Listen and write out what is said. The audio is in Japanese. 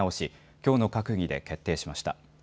きょうの閣議で決定しました。